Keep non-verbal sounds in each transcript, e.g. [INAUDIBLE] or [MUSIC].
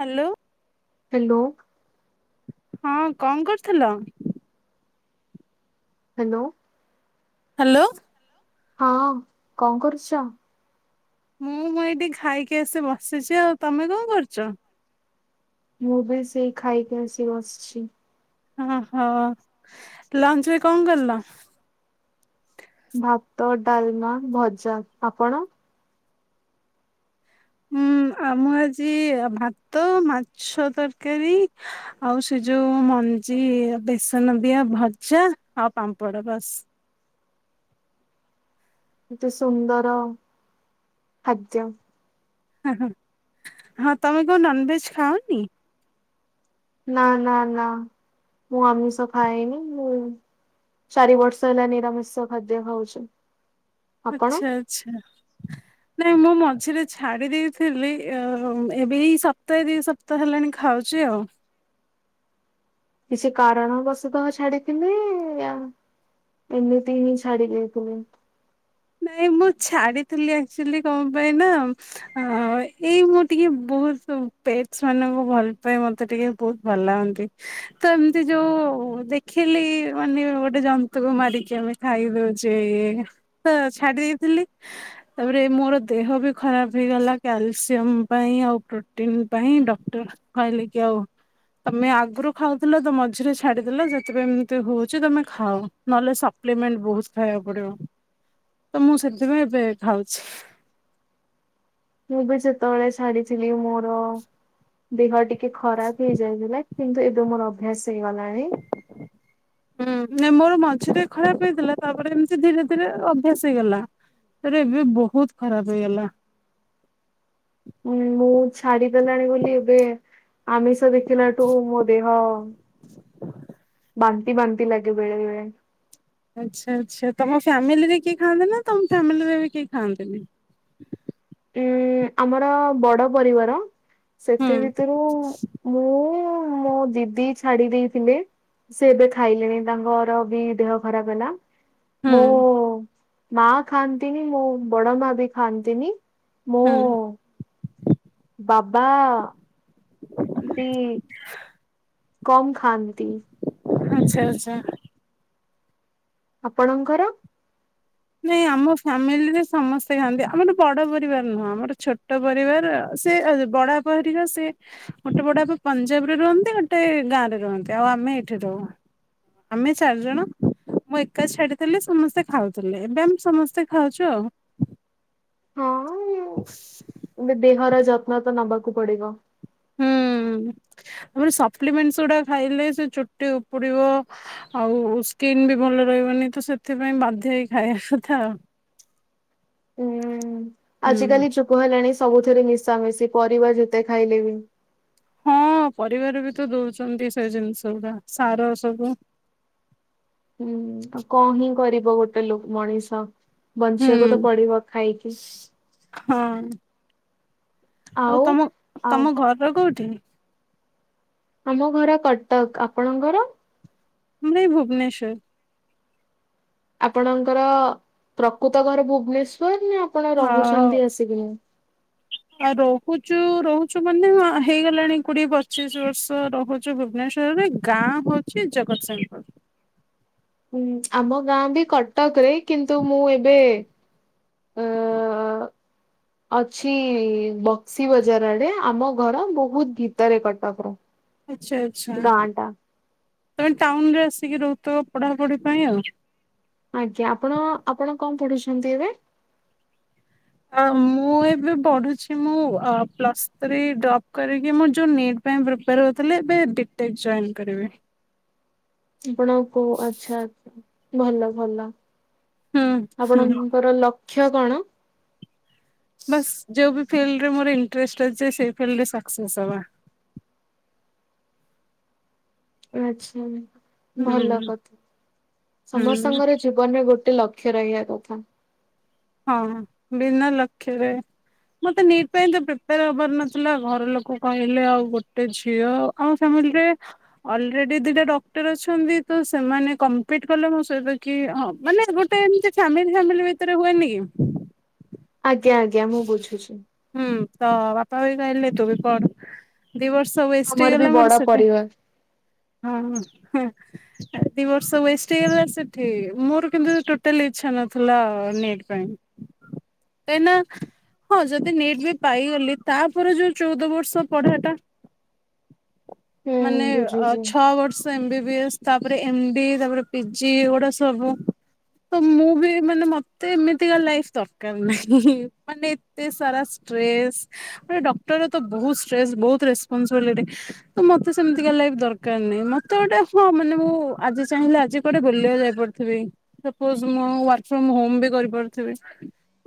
Hello. Hello. ହଁ କଣ କରୁଥିଲ? ହ୍ୟାଲୋ। ହ୍ୟାଲୋ। ହଁ କଣ କରୁଛ? ମୁଁ ମୁଁ ଏଇଠି ଖାଇକି ଆସି ବସିଛି ଆଉ ତମେ କଣ କରୁଛ? ମୁଁ ବି ସେଇ ଖାଇକି ଆସି ବସିଛି। ଓହୋ ଲଞ୍ଚ ରେ କଣ କଲ। ଭାତ ଡାଲମା ଭଜା ଆପଣ ହୁଁ ଆ ମୁଁ ଆଜି ଭାତ ମାଛ ତରକାରୀ ଆଉ ସେ ଯୋଉ ମଞ୍ଜି ବେସନଦିଆ ଭଜା ଆଉ ପାମ୍ପଡ଼ ବାସ୍। ଏତେ ସୁନ୍ଦର ଖାଦ୍ୟ। ହ ହଁ ତମେ କଣ ନନଭେଜ ଖାଅନି। ନା ନା ନା ମୁଁ ଆମିଷ ଖାଏନି ମୁଁ ଚାରି ବର୍ଷ ହେଲା ନିରାମିଷ ଖାଦ୍ୟ ଖାଉଛି, ଆପଣ? ଆଚଛା ଆଚ୍ଛା [INAUDIBLE] ନାଇଁ ମୁଁ ମଝିରେ ଛାଡି ଦେଇେଇଥିଲି ଏବେ ଏ ସପ୍ତାହେ ଦି ସପ୍ତାହ ହେଲାଣି ଖାଉଛି ଆଉ କିଛି କାରଣବଶୁତଃ ଛାଡିଥିଲି ଏମିତି ହିଁ ଛାଡି ଦେଇଥିଲି। ନାଇଁ ମୁଁ ଛାଡିଥିଲି ଆଚୁଲି କଣ ପାଇଁ ନା ଏଇ ମୁଁ ଟିକେ ବହୁତ ପେଟ ମାନଙ୍କୁ ଭଲ ପାଇଁ ମତେ ଟିକେ ବହୁତ ଭଲ ଲାଗନ୍ତି ତ ଏମିତି ଯୋଉ ଦେଖିଲି ମାନେ ଗୋଟେ ଜନ୍ତୁକୁ ମାରିକି ଆମେ ଖାଇ ଦଉଛେ, ତ ଛାଡି ଦେଇଥିଲି ତାପରେ ମୋର ଦେହ ବି ଖରାପ ହେଇଗଲା କ୍ୟାଲସିୟମ ପାଇଁ ଆଉ ପ୍ରୋଟିନ ପାଇଁ ଡକ୍ଟର କହିଲେ କି ଆଉ ତମେ ଆଗରୁ ଖାଉଥିଲ ତ ମଝିରେ ଛାଡିଦେ ଯେତେବୋଇଁ ଏମିତି ହଉଛି ତମେ ଖାଉ ନହେଲେ ସପ୍ଲିମେଣ୍ଟ ବହୁତ ଖାଇବାକୁ ପଡିବ ତ ମୁଁ ସେଥିପାଇଁ ଏବେ ଖାଉଛି, ମୁ ଯେତେବେଳେ ଛାଡିଥିଲି ମୋର ଦେହ ଟିକେ ଟିକେ ଖରାପ ହେଇ ଯାଇଥିଲା କିନ୍ତୁ ଏବେ ମୋର ଅଭ୍ୟାସ ହେଇଗଲାଣି, ହୁଁ ମୋର ମାଛ ଟ ଖରାପ ହେଇଥିଲା ତାପରେ ଏମତି ଧୀରେ ଧୀରେ ଅଭ୍ୟାସ ହେଇଗଲା ସେଟା ଏବେ ବହୁତ ଖରାପ ହେଇଗଲା ମୁ ଛାଡିଦେଲାଣି ବୋଲି ଏବେ ଆମିଷ ଦେଖ ଟୁ ମୋ ଦେହ ବା ବାନ୍ତି ଲାଗେ ବେଳେବେେଳେ ଆ୍ଛା ଆ୍ଛା ତମ ଫ୍ୟାମିଲିରେ କେହି ଖାଆନ୍ତିେ ନା ତମ ଫ୍ୟାମିଲିରେ ବି କେହି ଖାଆନ୍ତିନି ଉଁ ଆମର ବଡ ପରିବାର ହୁଁ ସେଥି ଭିତରୁ ମୁଁ ମୋ ଦିଦି ଛାଡି ଦେଇଥିଲେ ସେ ଏବେ ଖାଇଲେଣି ତାଙ୍କର ବି ଦେହ ଖରାପ ହେଲା ହୁଁ ମୁଁ ଉ ମା ଖାଆନ୍ତିନି ମୁଁ ବଡ ମା ବି ଖାଆନ୍ତିନି ମୁଁ, ହୁଁ ବାବା ବି, କମ୍ ଖାଆନ୍ତି, ଆଚ୍ଛା ଆଚଛା [INAUDIBLE] ଆପଣଙ୍କର? ନାଇଁ ଆମ ଫ୍ୟାମିଲିରେ ସମସ୍ତେ ଖାଆନ୍ତି ଆମର ବଡ ପରିବାର ନୁହଁ ଆମର ଛୋଟ ପରିବାର ସେ ବଡ ପରର ସେ ଗୋଟେ ବଡା ପଞ୍ଜାବରେ ରୁହନ୍ତି ଗୋଟେ ଗାଁ ରେ ରୁହନ୍ତି ଆଉ ଆମେ ଏଠି ରହୁ ଆମେ ଚାରିଜଣ ମୁଁ ଏକାଛାଡିଥିଲଥିଲେ ସମସ୍ତେ ଖାଉ ଲେ ଏବେ ଆମେ ସମସ୍ତେ ଖାଉଛୁ ଆଉ ହଁ ଏ ଦେହର ଯତ୍ନ, ସପନ ତ ନବାକୁ ପଡିବ ହୁଁ ତାପରେ ସପ୍ଲିମେଣ୍ଟ ଗୁଡା ଖାଇଲେ ସେ ଚୁଟି ଉପୁଡିବ ଆଉ ସ୍କିନ୍ ବି ଭଲ ରହିବନି ତ ସେଥିପାଇଁ ବାଧ୍ୟ ହେଇ ଖାଇବା କଥା ହୁଁ ଆଜିିକାଲି ଯୁଗ ହେଲାଣି ସବୁଥିରେ ମିଶାମିଶି ପରିବା ଯେତେ ଖାଇଲେ ବି ହଁ ପରିବାରୁ ବି ତ ଦଉଛନ୍ତି ସେ ଜିନିଷ ଗୁଡା ସାର ସବୁ ହୁଁ ଆଉ କଣ ହିଁ କରିବ ଗୋ ଟେ ଲୋକ ମଣିଷ। ହୁଁ ବଞ୍ଚିବାକୁ ତ ପଡିବ ଖାଇକି। ବ [INAUDIBLE] ହଁ। ଆଉ ତମ ଆଉ ତମ ଘର କୋଉଠି? ଆମ ଘର କଟକ ଆପଣଙ୍କର? ମାନେ ଭୁବନେଶ୍ୱର। ଆପଣଙ୍କର ପ୍ରକୃତ ଘର ଭୁବନେଶ୍ଵର? ଆପଣ ଆଉ ରହୁଛନ୍ତି ଆସିକି ନା? ତୁ ରହୁଛୁ ମାନେ ହେଇଗଲାଣି କୋଡିଏ ପଚିଶ ବର୍ଷ ରହୁଛୁ ଭୁବନେଶ୍ଵରରେ ଗାଁ ହଉଛି ଜଗତସିଂହପୁର ହୁଁ ଆମ ଗାଁ ବି କଟକ ରେ କିନ୍ତୁ ମୁଁ ଏବେ ଅ ଅଛି ବକ୍ସି ବଜାର ଆଡ଼େ ଆମ ଘର ବହୁତ ଭିତରେ କଟକର। ଆଚ୍ଛା ଆଚ୍ଛା। ଗାଁ ଟା। ତମେ ଟାଉନରେ ଆସିକି ରହୁଥିବ ପଢାପଢି ପାଇଁ ଆଉ। ଆଜ୍ଞା ଆପଣ ଆପଣ କଣ ପଢୁଛନ୍ତି ଏବେ? ଅ ମୁଁ ଏବେ ବଢୁଛି ମୁଁ ଅ ପ୍ଲସ ଥ୍ରୀ ଡ୍ରପ କରିକି ମୁ ଯୁ ନିଟ୍ ପାଇଁ ପ୍ରିପାର ହଉଥିଲି ଡିଫେନ୍ସ ଜଏନ କରିବି। [UNINTELLIGIBLE] ଆଚ୍ଛା ଆଛା। ଭଲ ଭଲ। ହୁଁ ହୁଁ ଆପଣଙ୍କର ଲ କ୍ଷ କଣ? ବାସ୍ ଯୋଉ ବି ଫିଲ୍ଡରେ ମୋର ଇଣ୍ଟରେଷ୍ଟ ଅଛି ସେଇ ଫିଲ୍ଡରେ ସକ୍ସେସ୍ ହେବା ଆଚ୍ଛା। ହୁଁ ଭଲ କଥା ହୁଁ ସମସ୍ତଙ୍କର ଜୀବନରେ ଗୋଟେ ଲକ୍ ଲକ୍ଷ୍ୟ ରହିବା କଥା। ହଁ ବିନା ଲକ୍ଷ୍ୟରେ ମତେ ନିଟ ପାଇଁ ତ ପ୍ରିପୋର ହବାର ନଥିଲା ଘର ଲୋକ କହିଲେ ଆଉ ଗୋଟେ ଝିଅ ଆମ ଫ୍ୟାମିଲି ରେ ଅଲରେଡି ଦିଟା ଡକ୍ଟର ଅଛନ୍ତି ତ ସେମାନେ କମ୍ପିଟ୍ କଲେ ମୋ ସହିତ କି ହଁ ମାନେ ଗୋଟେ ଏମତି ଫ୍ୟାମିଲି ଫ୍ୟାମିଲି ଭିତରେ ହୁଏନି। [INAUDIBLE] ଆଜ୍ଞା ଆଜ୍ଞା ମୁଁ ବୁଝୁଛି। ହୁଁ ତ ବାପା ବି କହିଲେ ତୁ ବି ପଢ଼? ଦି ବର୍ଷ ୱେଷ୍ଟ ଆମର ବି ହେଇଗଲା ବଡ ମୋର ସେଠି ପରିବାର ହଁ ହଁ ହେଁ ଦି ବର୍ଷ ୱଷ୍ଟ ହେଇଗଲା ସେଠି ମୋର କିନ୍ତୁ ଟୋଟାଲ ଇଚଛା ନଥିଲା ନିଟ୍ ପାଇଁ କାହିଁକିନା? ହଁ ଯଦି ନେଟ୍ ବି ପାଇଗଲି ତାପରେ ଯୋଉ ଚଉଦ ବର୍ଷ ପଢିବା ଟା। ହୁଁ ମାନେ ଅ ବୁଝୁଛି। ଛଅ ବର୍ଷ ଏମ୍ ବ ଏମ୍ ବି ଏସ ତାପରେ ଏମବିଏ ତାପରେ ପିଜି ଗୁଡା ସବୁ ତ ମୁଁ ବି ମାନେ ମତେ ଏମିତିକା ଲାଇଫ୍ ଦରକାର ନାହିଁ ହେଁ ହେଁ। ମାନେ ଏତେ ସାରା ଷ୍ଟ୍ରେସ୍ ଗୋଟେ ଡକ୍ଟର ତ ବହୁତ୍ ଷ୍ଟ୍ରେସ ବହୁତ ରେପନସିବିଲିଟି ତ ମତେ ସେମିତିକିଆ ଲାଇଫ ଦରକାର ନାହିଁ ମତେ ଗୋଟେ ହଁ ମାନେ ମୁଁ ଆଜି ଚାହିଁଲେ ଆଜି କୁଆଡ଼େ ବୁଲିବା ଯାଇପାରୁଥିବି ସପୋଜ୍ ମୁଁ ୱାର୍କ ଫ୍ରମ ହୋମ ବି କରିପାରୁଥିବି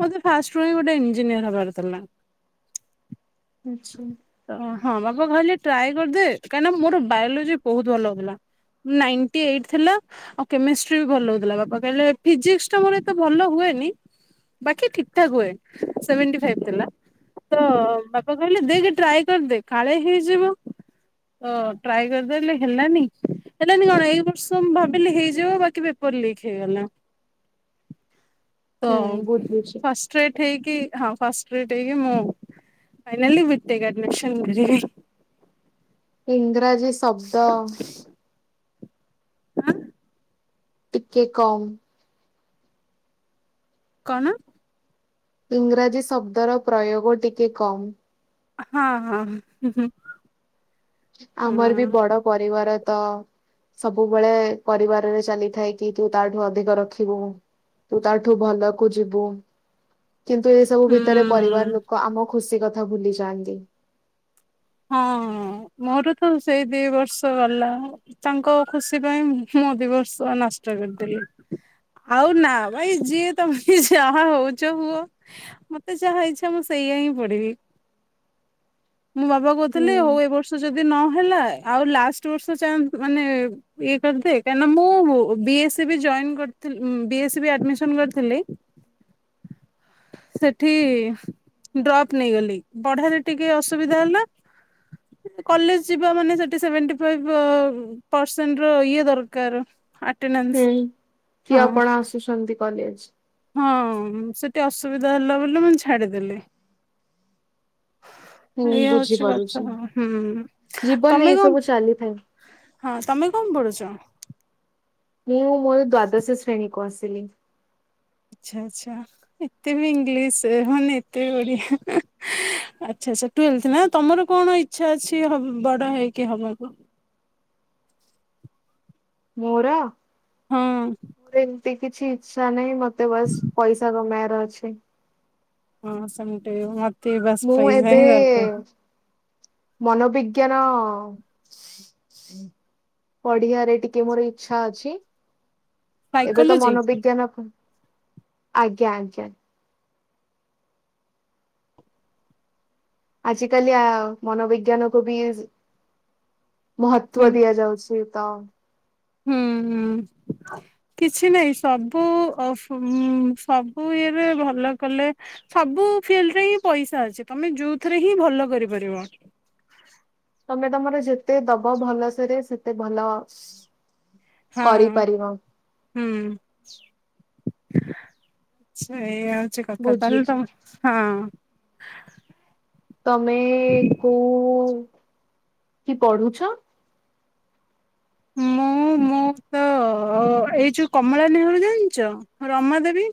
ମତେ ଫାଷ୍ଟ୍ ଗୋଟ ଇଞ୍ଜିନିୟର ହବାର ଥିଲା। ଆଛା। ତ ହଁ ବାପା କହିଲେ ଟ୍ରାଏ କରିଦେ କାହିଁକିନା ମୋର ବାୟୋଲୋଜି ବହୁତ ଭଲ ହଉଥିଲା ନାଇଣ୍ଟି ଏଇଟ୍ ଥିଲା ଆଉ କେମେଷ୍ଟ୍ରି ବି ଭଲ ହଉଥିଲା ବାପା କହିଲେ ଫିଜିକ୍ସ ଟା ମୋର ଏତେ ଭଲ ହୁଏନି ବାକି ଠିକ୍ ଠାକ୍ ହୁଏ ସେଭେନଟି ଫାଇଭି ଥିଲା। ତ ବାପା କହିଲେ ଦେଖେ ଟ୍ରାଏ କରିଦେ କାଳେ ହେଇଯିବ। ତ ଟ୍ରାଏ କରିଦେଲେ ହେଲାନି ହେଲାନ କଣ ଏଇ ବର୍ଷ ଭାବିଲି ହେଇିବ ବାକି ପେପର୍ ଲିକ୍ ହେଇଗଲା। ହୁଁ ବୁଝୁଛି ଷ୍ଟ୍ରେଟ ହେଇକି ହଁ ଫାଷ୍ଟ୍ ଷ୍ଟ୍ରେଟ ହେଇକି ମୁ ଫାଇନାଲି ବିଟେକ୍ ଆଡମିଶନ୍ ନେଲି। ଇଂରାଜୀସ୍ ଶବ୍ଦ ଉଁ ଟିକେ କମ୍ କଣ? ଇଂରାଜୀ ଶବ୍ଦର ପ୍ରୟୋଗ ଟିକେ କମ୍ ହଁ ହଁ ହୁଁ। ଆମର ବି ବଡ ପରିବାର ତ ସବୁବେଳେ ପରିବାରରେ ଚାଲିଥାଏ କି ତୁ ତାଠୁ ଅଧିକ ରଖିବୁ ତୁ ତା ଠୁ ଭଲକୁ ଯିବୁ କିନ୍ତୁ ଏ ସବୁ ଭିତରେ ପରିବାର ହୁଁ। ଲୋକ ଆମ ଖୁସି କଥା ଭୁଲି ଯାଆନ୍ତି। ହଁ ମୋର ତ ସେଇ ଦି ବର୍ଷ ଗଲା ତାଙ୍କ ଖୁସି ପାଇଁ ମୁଁ ଦି ବର୍ଷ ନଷ୍ଟ କରିଦେଲି ଆଉ ନା ଭାଇ ଯିଏ ତମେ ଯାହା ହଉଚ ହୁଅ ମତେ ଯାହା ଇଚ୍ଛା ମୁଁ ସେଇଆ ହିଁ ପଢିବି ମୋ ବାବା କହୁଥିଲ ହୁଁ ହଉ ଏ ବର୍ଷ ଯଦି ନହେଲା ଆଉ ଲାଷ୍ଟ୍ ବର୍ଷ ମାନେ ଇଏ କରିଦେ କାଇଁ ନା ମୁଁ ବିଏସି ବି ଜଏନ କରିଥିଲି ମୁଁ ବିଏସି ବି ଆଡମିଶନ୍ କରିଥିଲି ସେଠି ଡ୍ରପ ନେଇଗଲି ପଢାରେ ଟିକେ ଅସୁବିଧା ହେଲା। କଲେଜ ଯିବା ମାନେ ସେଠି ସେଭେନଟି ଫାଇଭ ଅ ପସେଣ୍ଟର ଇଏ ଦରକାର ଆ ହୁଁ କିଏ ଆପଣ ଆସୁଚନ୍ତି କଲେଜ ହଁ ସେଠି ଅସୁବିଧା ହେଲା ବୋଲି ମୁଁ ଛାଡିଦେଲି। ହୁଁ ଏଇଆ ହଉଚି କଥା ବୁଝିପାରୁଛି। ଆଉ ହୁଁ ଜୀବନରେ ତମେ ଏଇ କଣ ସବୁ ଚାଲିଥାଏ ହଁ ତମେ କଣ ପଢୁଚ? ମୁଁ ମୋର ଦ୍ଵାଦଶ ଶ୍ରେଣୀକୁ ଆସିଲି। ଆଚ୍ଛା ଆଚ୍ଛା ଏତେ ବି ଇଂଲିଶ ହଉନି ଏତେ ବି ଓଡ଼ିଆ ଆଚ୍ଛା ଆଚ୍ଛା ଟୁୱେଲ୍ଥ ନା ତମର କଣ ଇଚ୍ଛା ଅଛି ହବ୍ ବଡ଼ ହେଇକି ହବାକୁ? ମୋର ହଁ ସେମିତି କିଛି ଇଚ୍ଛା ନାହିଁ ମତେ ବାସ ପଇସା କମେଇବାର ଅଛି। ହଁ ସେମଟୁୟୁ ମତ୍ ମୁଁ ଏବେ ମନୋବିଜ୍ଞାନ ପଢ଼ିବାରେ ଟିକେ ମୋର ଇଚ୍ଛା ଅଛି ଏବେ ତ ସାଇକୋଲୋଜି ମନୋବିଜ୍ଞାନ ଆଜ୍ଞା ଆଜ୍ଞା। ଆଜିିକାଲି ଆ ମନୋବିଜ୍ଞାନକୁ ବି ହୁଁ ମହତ୍ୱ ଦିଆଯାଉଚି ତ ହୁଁ ହୁଁ କିଛି ନାଇଁ ସବୁ ଉଁ ସବୁ ଇଏରେ ଭଲ କଲେ ସବୁ ଫିଲ୍ଡରେ ହିଁ ପଇସା ଅଛି ତମେ ଯୋଉଥିରେ ହିଁ ଭଲ କରିପାରିବ ତମେ ତମର ଯେତେ ଦବ ଭଲସେରେ ସେତେ ଭଲ ହଁ କରିପାରିବ ହୁଁ ଆଚ୍ଛା ଏୟା ଛି କଥା ତାହେଲେ ବୁଝୁଛି। ତମ ହଁ [UNINTELLIGIBLE] ତମେ କୋଉ କି ପଢୁଛ? ମୁଁ ମୁଁ ତ ଏଇ ଯୋଉ କମଳା ନେହୁରୁ ଜାଣିଚ ରମା ଦେବୀ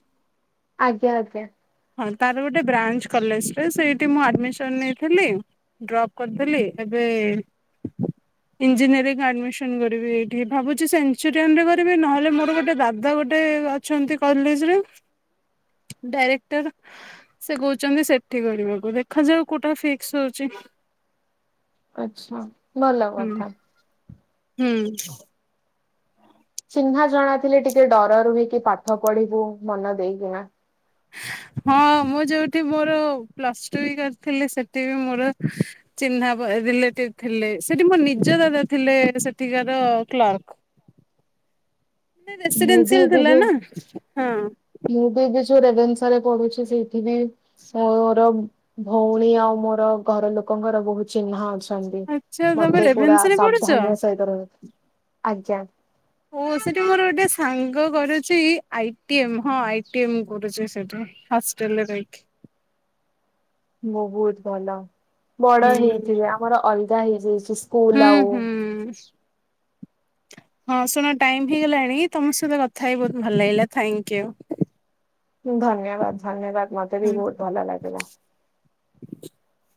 ଆଜ୍ଞା। ଆଜ୍ଞା। ହଁ ତାର ଗୋଟେ ବ୍ରାଞ୍ଚ କଲେଜରେ ସେଇଠି ମୁଁ ଆଡମିସନ ନେଇଥିଲି ଡ୍ରପ୍ କରିଥିଲି ଏବେ ଇଞ୍ଜିନିୟରିକ୍ ଆଡମିସନ କରିବି ଏଠି ଭାବୁଛି ସେଞ୍ଚୁରିଆନ୍ ରେ କରିବି ନହେଲେ ମୋର ଗୋଟେ ଦାଦା ଗୋଟେ ଅଛନ୍ତି କଲେଜରେ ଡାଇରେ ଟର ସେ କୋଉଚନ୍ତି ସେଠି କରିବାକୁ ଦେଖାଯାଉ କୋଉଟା ଫିକ୍ସ ହୋଉଚି। ଆଚ୍ଛା ଭଲ କଥା। ହୁଁ। ଚିହ୍ନା ଜଣାଥିଲେ ଟିକେ ଡର ରୁହେ କି ପାଠ ପଢିବୁ ମନ ଦେଇକିନା। ହଁ ମୁଁ ଯୋଉଠି ମୋର ପ୍ଲସ୍ ଟୁ ବି କରିଥିଲି ସେଠି ବି ମୋର ଚିହ୍ନା ପ ରିଲେଟିଭ୍ ଥିଲେ ସେଠି ମୋ ନିଜ ଦାଦା ଥିଲେ ସେଠିକାର କ୍ଲର୍କ। ଏ ମୁଁ ବି ରେସିଡେନ୍ସିଆଲ୍ ଏବେ ଥିଲା ଯୋଉ ନାଁ ହଁ। ମୁଁ ବି ଏବେ ଯୋଉ ରେଭେନ୍ସାରେ ପଢୁଛି ସେଇ ଠିବି ମୋର ଭଉଣୀ ଆଉ ମୋର ଘର ଲୋକଙ୍କର ବୋହୁ ଚିହ୍ନା ଅ ଛନ୍ତିି ଆଚ୍ଛା ତମେ ମତେ ପୁରା ରେଭେନ୍ସାରେ ପଢୁଛ ସାବଧାନ୍ ର ସହିତ ର ଆଜ୍ଞା। ଓ ସେଠି ମୋର ଗୋଟେ ସାଙ୍ଗ କରୁଚି ଆଇ ଟି ଏମ୍ ହଁ ଆଇ ଟି ଏମ୍ କରୁଚି ସେଠି ହଷ୍ଟେଲରେ ରହିକି। ମୁଁ ବୋହୁତ ଭଲ। ବଡ଼ ହୁଁ ହେଇଥିବେ ଆମର ଅଲଗା ହି ପିଜ୍ ହୁଁ ଇଇସ୍କୁଲ ଆଉ ହୁଁ ହଁ ଶୁଣ ଟାଇମ ହେଇଗଲାଣି ତମ ସହିତ କଥା ହେଇ ବୋହୁତ ଭଲ ଲାଗିଲା ଥାଙ୍କ ୟୁ। ହୁଁ ଧନ୍ୟବାଦ ଧନ୍ୟବାଦ। ମତେ ବି ବୋହୁତ ଭଲ ଲାଗିଲା। [INAUDIBLE]